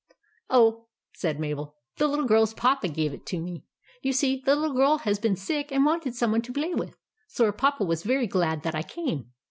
"Oh," said Mabel, "the little girl's Papa gave it to me. You see, the little girl has been sick and wanted some one to play with, so her Papa was very glad that I came."